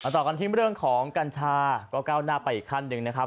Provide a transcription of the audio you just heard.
ต่อกันที่เรื่องของกัญชาก็ก้าวหน้าไปอีกขั้นหนึ่งนะครับ